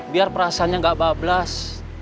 biar perasaannya nggak bablas